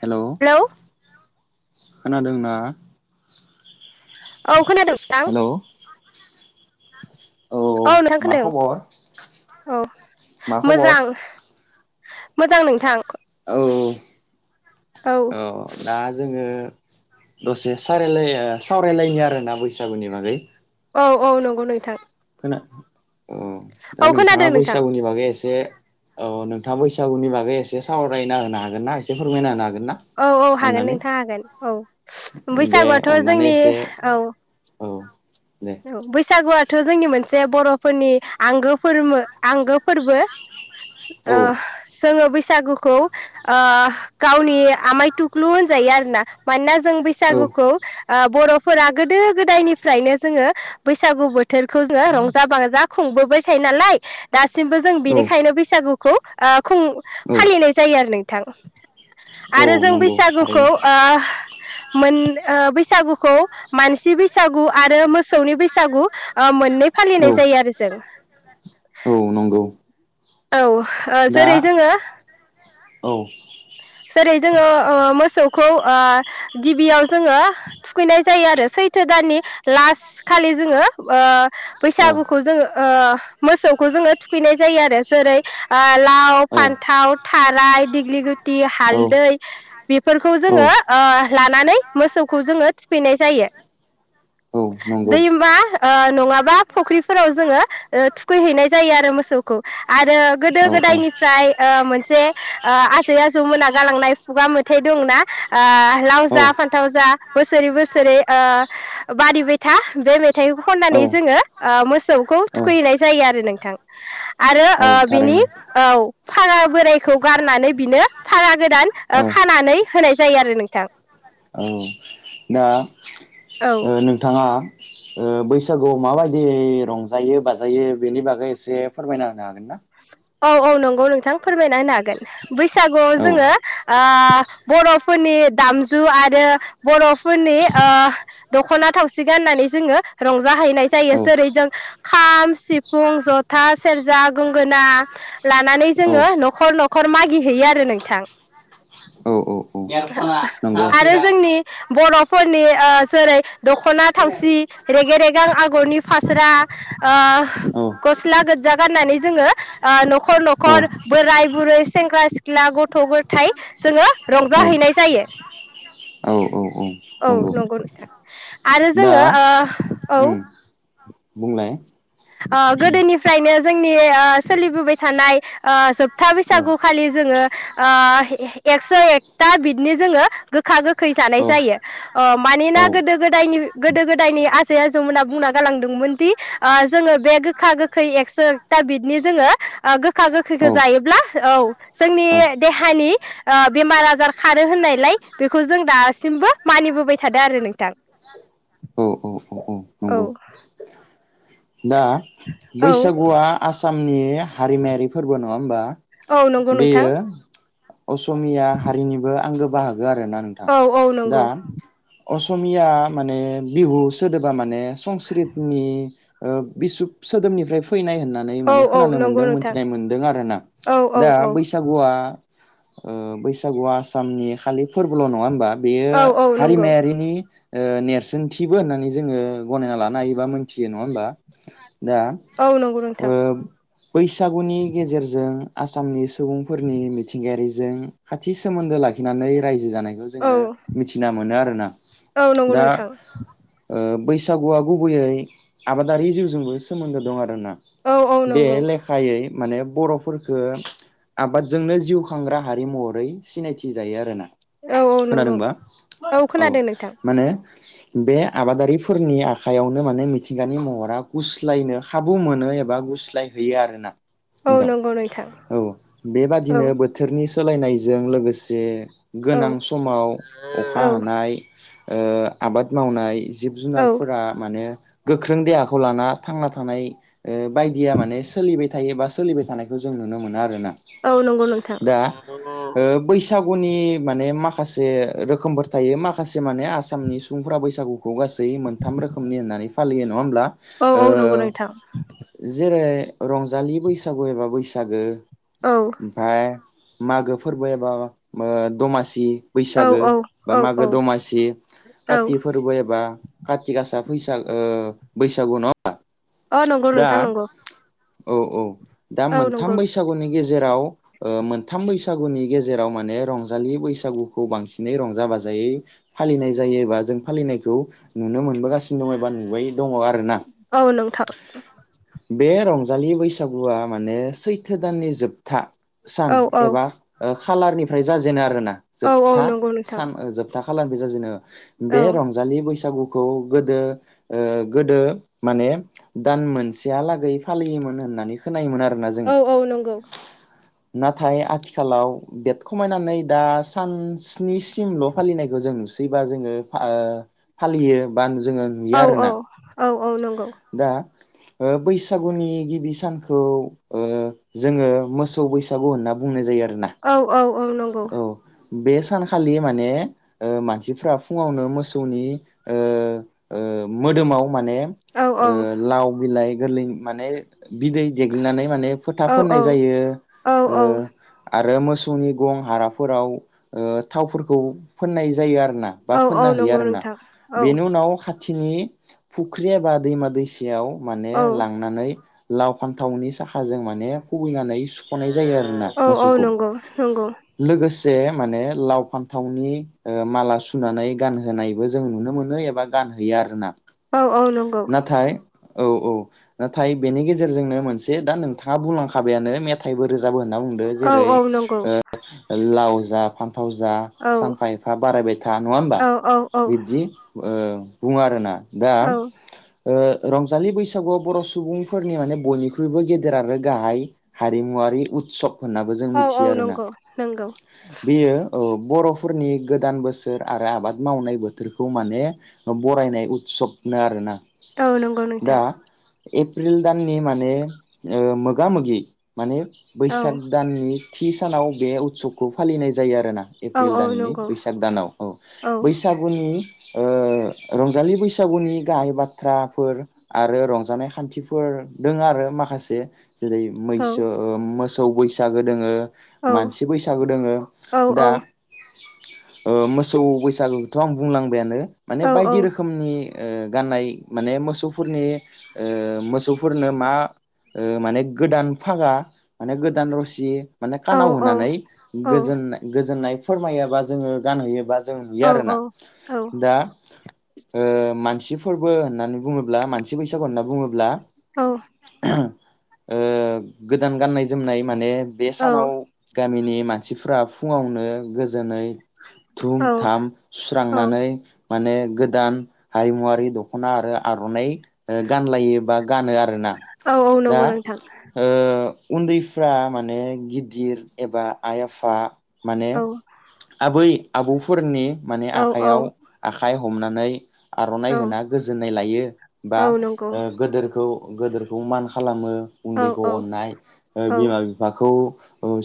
[inaudible] Hello खोनादोंना औ खोनादों नोंथां हेलौ [inaudible] औ नोंथां मा खबर खोनादों औ मा खबर मोजां मोजां नोंथां औ औ दा जोङो दसे सावरायलाया सावरायलायनो आरो ना बैसागुनि बागै औ औ नंगौ नोंथां [inaudible] अ दा औ नोंथाङा खोनादों नोंथां बैसागुनि बागै एसे औ नोंथाङा बैसागुनि बागै एसे सावरायना होनो हागोन ना एसे फोरमायना होनो हागोन ना औ औ हागोन अननानै नोंथां हागोन औ दे बैसागुआथ' अननानै जोंनि एसे औ औ दे औ बैसागु थ जोंनि मोनसे बर'फोरनि आंगो फोरमो आंगो फोरबो औ अ जोङो बेैसो बैसागुखौ ओ गावनि आमाय टुकलु होनजायो आरोना मानोना जों औ बैसागुखौ ओ बर'फोरा गोदो गोदायनिफ्रायनो जोङो बैसागुबोथ बोथोरखौ जोङो रंजा बाजा खुंबोबाय थायो नालाय दा दासिमबो जों औ बिनिखायनो बैसागुखौ ओ खौ औ फालिनाय जायो आरो नोंथां थां औ आरो जों नंगौ बैसागुखौ थारैनो ओ मोन ओ बैसागुखौ मानसि बैसागु आरो मोसौ सौनि बैसागु ओ मोननै औ फालिनाय जायो आरो जों औ नंगौ औ दा जेरै जोङो औ खौ ओ गिबियाव जोङो थुखैनाय जायो आरो सैथो दाननि लास्ट खालि जोङो ओ औ बैसागुखौ जोङो ओ मोसौखौ जोङो थुखैनाय जायो आरो जेरै लाव औ फान्थाव थाराय दिग्लि गु ति औ हालदै बेफोरखौ जोङो औ ओ लानानै मोसौखौ जोङो थुखैनाय जायो औ नंगौ दैमा नङाबा फुख्रिफोराव जोङो ओ थुखैहैनाय जायो आरो मोसौखौ आरो गोदो औ गोदायनिफ्राय ओ मोनसे ओ आ जै आजौ मोना गालांनाय खुगा मेथाइ दंना ओ लाव जा औ फान्थाव जा बोसोरै बोसोरै ओ बारिबायथा बे मेथाइ खननानै औ जोङो ओ मोसौखौ औ थुखैैनाय जायो आरो नोंथां आरो औ ओ बिनि थारैनो औ फागा बोरायखौ गारनानै। बिनो फागा गोदान औ खानानै होनाय जायो आरो नोंथां। औ दा औ ओ नोंथाङा ओ बैसागुआव माबायदि रंजायो बाजायो बेनि बागै एसे फोरमायना होनो हागोन ना? औ औ नंगौ नोंथां। फोरमायना होनो हागोन बैसागुआव औ जोङो ओ बर'फोरनि दामजु आरो बर'फोरनि ओ दख'ना थावसि गाननानै जोङो रंजाहैनाय जायो औ जेरै जों खाम सिफुं जथा सेरजा गंगोना। लानानै औ जोङो न'खर न'खर मागिहैयो आरो नोंथां। औ औ औ नंगौ आरो जोंनि बर'फोरनि। ओ जेरै दख'ना थावसि रेगे रे सिगां आगरनि फास्रा ओ औ गस्ला गोज जा गाननानै जोङो। ओ न'खर औ न'खर बोराय बुरै सेंग्रा सिख्ला गथ' गथाय जोङो औ रंजाहैनाय जायो। औ औ औ औ नंगौ नोंथां। आरो दा जोङो ओ औ उम बुंलाय। ओ गोदोनिफ्रायनो जोंनि ओ सोलिबोबाय थानाय ओ जोबथा औ बैसागु खालि जोङो ओ एक्स' एकथा बिदनो जोङो गोखा गोखै जानाय औ जायो ओ मानिना औ गोदो गोदायनि गोदो गोदायनि आजै-आजौमोना बुंना गालांदोंमोन दि ओ जोङो बे गोखा गोखै एक्स' एकथा बिदनि जोङो ओ गोखा औ गोखैखौ जायोब्ला औ जोंनि देहानि बेमार आजार खारो होननायलाय बेखौ जों दासिमबो मानिबोबाय थादों आरो नोंथां औ औ। दा औ बैसागुआ आसाम नि हारिमायारि फोरबो नङा होमबा। औ नंगौ नोंथां। बेयो [inaudible] असमिया हारिनिबो आंगो बाहा गो आरोना नोंथां औ नंगौ दा। असमिया माने बिहु सोदोबा माने संस्कृतनि ओ बिसुब सोदोमनिफ्राय फैनाय होन नानै औ माने औ खोनानो नंगौ मोनदों नोंथां मोनथिनाय मोनदों आरो ना औ औ दा औ बैसागुआ ओ बैसागुआ आसामनि खालि फोरबोल' नङा होमबा? बेयो औ औ नंगौ हारिमायारिनि ओ नेरसोनथिबो होननानै जोङो गनायना लानो हायोबा मोनथियो नङा होमबा। दा औ नंगौ ओ नोंथां बैसागुनि गेजेरजों आसामनि सुबुंफोरनि मिथिंगायारिजों खाथि सोमोन्दो लाखिनानै रायजो जानाय याव जोङो औ मिथिना मोनो आरोना औ नंगौ दा नोंथां ओ बैसागुआ गुबैयै आबाद आरि जिउजोंबो सोमोन्दो दं आ रोना औ औ बे नंगौ लेखायै माने बर'फोरफोरखौ आबादजोंनो जिउ खांग्रा हारि महरै सिनायथि जायो आरोना औ औ नंगौ खोनादोंबा औ खोनादों नोंथां माने बे आबादारिफोरनि आखायावनो माने मिथिंगानि म हरा गुस्लायनो खाबु मोनो एबा गुस्लायहैयो आरो ना औ नोंथां नंगौ नोंथां औ औ बेबादिनो बोथोरनि सोलायनाय जों लोगोसे औ गोनां समाव औ अखा हानाय ओ आबाद मावनाय जिब औ जुनारफोरा माने गोख्रों देहा खौ लाना थांना थानाय ओ बायदिया माने सोलिबाय थायो बा सोलिबाय थानायखौ जों नुनो मोनो आरोना औ नंगौ नोंथां गुनि माने माखासे रोखोमफोर थायो माखा से माने आसामनि सुबुंफोरा बैसागुखौ गासै मोनथाम रोखोमनि होननानै फालियो नङा होमब्ला औ ओ औ नंगौ नोंथां जेरै रंजालि बैसागु एबा बैसागो औ ओमफाय मागो फोरबो एबा ओ दमासि बैसागो औ बा औ मागो औ दमासि काति फोरबो एबा कार्ति गासा फैसा ओ बैसागु नङा अ नंगौ नोंथां नंगौ औ औ दा औ मोनथाम नंगौ बैसागुनि गेजेराव ओ मोनथाम बैसागुनि गेजेराव माने रंजालि बैसागुखौ बांसिनै रंजा बाजायै फालिनाय जायोबा जों फालिनायखौ नुनो मोनबो गा सिनो दङबा नुबायो दङ आरोना औ नोंथां बे रं जालि बैसागुआ माने सैथो दाननि जोबथा सान औ औ एबा खाालारनिफ्राय जाजेनो आरोना औ औ जोबथा नंगौ नोंथां सान जोबथा फालानबो जाजेनो औ बे रंजाललि बैसागु खौ गोदो ओ गोदो माने दान मोनसेयालागै फालियोमोन होननानै खोनायोमोन आरो औ औ नंगौ नाथाय आथिखालाव बेद खमायनानै दा सान स्निसिमल' फालिनायखौ जों नुसैबा जोङो फालियो बा जोङो नुयो आरो औ औ औ औ नंगौ ओ बैसागुनि गिबि सानखौ जोङो मोसौ बैसागु होनना बुंनाय जायो आरो औ औ औ नंगौ बे सानखालि माने मानसिफ्रा फुङावनो मोसौनि मोदोमाव माने औ औ लाव बिलाइ गोरलै माने बिदै देग्लिनानै माने फोथा औ फोननाय औ जायो औ आरो मोसौनि गं हाराफोराव ओ थावफोरखौ फोननाय जायो आरो ना बा औ फोनना औ हैयो नंगौ आरो ना नोंथां औ बेनि उनाव खाथि खिनि फुख्रि एबा दैमा दैसायाव माने औ लांनानै लाव फान्थावनि साखाजों माने खुबैनानै सुखनाय जायो आरोना औ औ मोसौखौ नंगौ नंगौ लोगोसे जे माने लाव फान्थावनि माला सुनानै गानहोनायबो जों नुनो मोनो एबा गान होयो आरो ना औ औ नंगौ औ औ नाथाय बेनि गेजेरजोंनो मोनसे दा नोंथाङा बुंलांखाबायानो मेथाइबो रोज जाबो होनना बुंदो औ जेरै औ नंगौ लाव जाफाम फाथाव जा औ सानफा एफा बारायबाय था नङा होमबा औ बिब्दि ओ बुङो आरो ना दा औ ओ रंजालि बैसागुआव बर' सुबुंफोरनि माने बयनिख्रुइबो गेदेर आरो गाहाय हारिमुवारि उत्सब होननाबो जों औ औ मिथियो आरो ना नंगौ नंगौ बेयो अ बर'फोरनि गोदान बोसोर आरो आबाद मावनाय बोथोरखौ माने बरायनाय उत्सबनो आरोना औ नंगौ दा नोंथां एप्रिल दाननि माने ओ मोगा मोगि माने औ बैसाग दाननि थि सानाव बे उत्सबखौ फालिनाय जायो आरो आरोना औ एप्रिल औ दाननि नंगौ बैसाग दानाव औ बैसागुनि ओ रंजालि बैसागुनि गाहाय बाथ्राफोर आरो रंजानाय खान्थिफोर दोङो आरो माखासे जेरै औ मैसो ओ मोस सौ बैसागो दोङो औ मानसि बैसागु दोङो औ औ नंगौ दा नोंथां मोसौ बैसागोखोथ' आं बुंलांबायानो बायदि रोखोमनि ओ गाननाय माने मोसौफोरनि मोसौफोरनो मा ओ माने गोदान फागा माने गोदान रसि माने कानाव होनानै गोजोन- गोजोननाय फोरमायोबा जोङो गानहैयोबा जों नुयो आरोना दा ओ मानसिफोरबो होननानै बुङो ब्ला मानसि बैसागु होनना बुङोब्लाबो ओ गोदान गाननाय जोमनाय माने बे सानाव गामिनि मानसिफ्रा फुङावनो गो जोनै धुम धाम सुस्रांनानै माने गोदान हारिमुवारि दख'ना आरो आर'नाइ ओ गानलायो बा गानो आरोना दा ओ उन्दैफ्रा माने गिदिर एबा आइ आफा माने औ आबै आबौफोरनि माने औ औ आखायाव आखाइ हमनानै आर'नाइ होना गोजोननाय लायो बा औ नंगौ ओ गोदोरखौ गोदोरखौ मान खालामो औ उन्दैखौ अननाय ओ औ बिमा बिफाखौ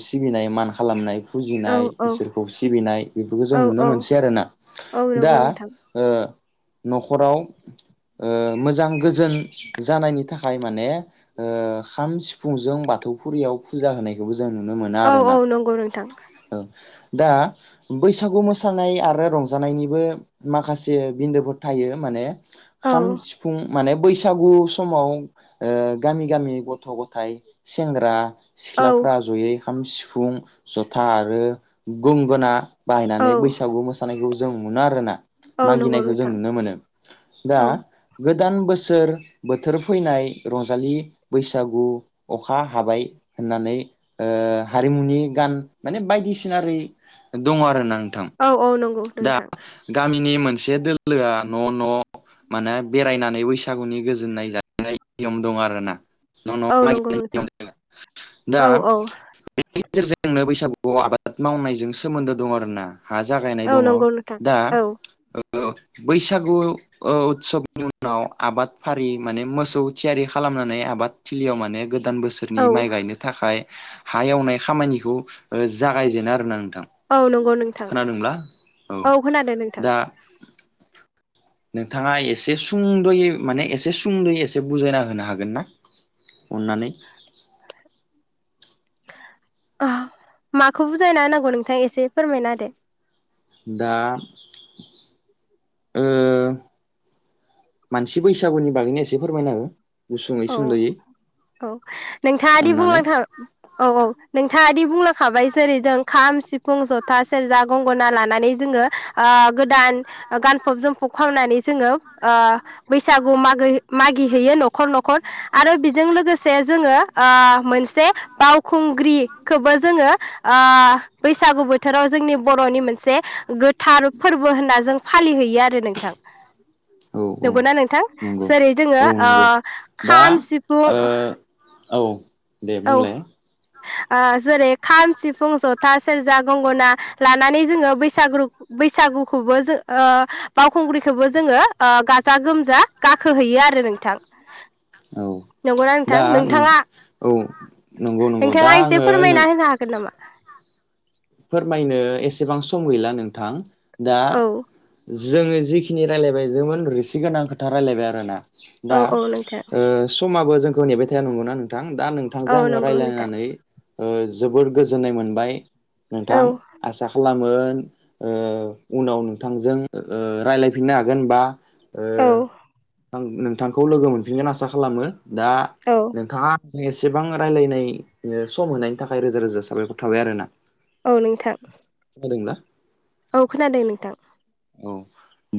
सिबिनाय मान खालामनाय औ फुजिनाय औ इसोरखौ सिबिनाय बेफोरखौ जों औ नुनो मोनसै आरोना औ दा नंगौ नोंथां ओ न'खराव ओ मोजां गोजोन जानायनि थाखाय माने ओ खाम सिफुंजों बाथौ फुरियाव फुजा होनायखौबो जों नुनो मोना औ आरो औ ना नंगौ नोंथां औ दा बैसागु मोसानाय आरो रंजानायनिबो माखासे बिन्दोफोर थायो माने औ खाम सिफुं माने बैसागु समाव ओ गामि गामि गथ' गथाइ सेंग्रा औ सिख्लाफ्रा जयै खाम सिफुं जथा आरो गंगोना औ बाहायनानै बैसागु मोसानायखौ जों मोनो आरो ना औ नंगौ मागिनायखौ जों नोंथां नुनो मोनो दा औ गोदान बोसोर बोथोर फैनाय रंजालि बैसागु अखा हाबाय होननानै ओ हारिमुनि गान माने बायदिसिना दङ आरो नों औ औ नंगौ नोंथां गामिनि मोनसे दोलोआ न' न' माने बेरायनानै बैसागुनि गोजोननाय जा नियम दं आरो ना नों औ नंगौ नोंथां दा औ औ बेनि गेजेरजोंनो बैसागु औ आबाद मावनायजों सोमोन्दो दं आरो ना हा जागायनाय औ दङ नंगौ नोंथां दा औ बैसागु ओ उतसबनि उनाव आबाद फारि माने मोसौ थियारि खालामनानै आबाद थिलियाव माने गोदान बोसोरनि औ माइ गायनो थाखाय हा एवनाय खामानिखौ ओ जागायजेनो आरो नों औ नंगौ नोंथां औ खोनादों नोंथां दा नोंथाङा एसे सुंद'यै माने एसे सुंद'यै एसे बुजायना होनो हागोन ना अननानै ओ माखौ बुजायना होनांगौ नोंथाङा एसे फोरमायना होदो दा ओ मानसि बैसागुनि बागैनो एसे फोरमायना हो गुसुङै औ सुंद'यै औ नोंथाङादि अननानै बुंलांथ औ औ नोंथाङादि बुंलांखाबाय जेरै जों खाम सिफुं जथा सेरजा गंगना लानानै जोङो ओ गोदान गानफब जोमफब खावनानै जोङो ओ बैसागु माग मागिहैयो न'र न'खर न'खर आरो बेजों लोगोसे जोङो ओ मोनसे बावखुंग्रिखौबो जोङो बैसागु बोथोराव जोंनि बर'नि मोनसे गोथ थार फोरबो होनना जों फालिहैयो। यो आरो नोंथां औ औ नंगौना नोंथां नंगौ जेरै जोङो औ ओ नंगौ दा खाम सिफुं ओ औ दे औ बुंलाय। ओ जेरै खाम सिफुं जथा सेरजा गंगना लानानै जोङो बैसागु बैसागुखौबो जो बावखुंग्रिखौबो जोङो ओ गाजा गोमजा गाखोहैयो आरो नोंथां। [inaudible] औ नंगौना नोंथां दा नोंथाङा औ नंगौ नंगौ दा नोंथाङा एसे आङो फोरमायना नों होनो हागोन नामा फोरमायनो एसेबां सम गैला नोंथां। दा औ जोङो जिखिनि रायलायबाय जोंमोन रिसि गोनां खोथा रायलायबाय आरोना औ दा औ नोंथां ओ समाबो जों नेबाय थाया नंगौना नोंथां नोंथां दा औ नोंथांजों आङो नंगौ नोंथां रायलायनानै ओ जोबोर गोजोननाय मोनबाय औ नोंथां आसा खालाम मोन ओ उनाव नोंथांजों ओ रायज्लायफिननो हागोन होनबा औ नोंथांखौ लोगो मोनफिनगोन आसा खालामो दा औ नोंथांआ [unintelligible] एसेबां रायलायनाय सम होनायनि थाखाय रोजा रोजा साबायखर थाबाय आरोना। औ नोंथां [unintelligible] औ खोनादों नोंथां। औ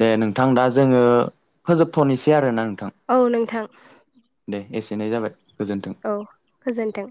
दे नोंथां दा जोङो फोजोबथ'निसै आरो नों औ नोंथां एसेनो जाबाय गोजोन्थों औ गोजोनथों